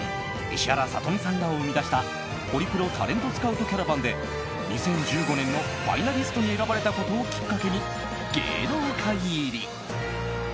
石原さとみさんらを生み出したホリプロタレントスカウトキャラバンで２０１５年のファイナリストに選ばれたことをきっかけに芸能界入り。